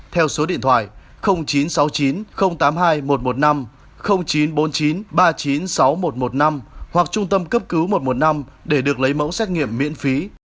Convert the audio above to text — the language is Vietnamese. theo số điện thoại chín trăm sáu mươi chín tám mươi hai một trăm một mươi năm chín trăm bốn mươi chín ba trăm chín mươi sáu nghìn một trăm một mươi năm hoặc trung tâm cấp cứu một trăm một mươi năm để được lấy mẫu xét nghiệm miễn phí